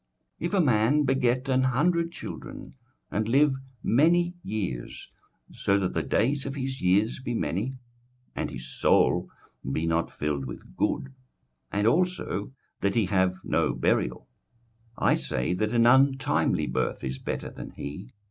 21:006:003 If a man beget an hundred children, and live many years, so that the days of his years be many, and his soul be not filled with good, and also that he have no burial; I say, that an untimely birth is better than he.